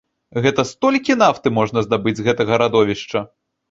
Гэта столькі нафты можна здабыць з гэтага радовішча.